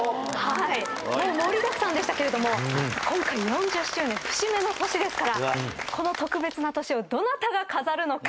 もう盛りだくさんでしたけれども今回４０周年節目の年ですからこの特別な年をどなたが飾るのか。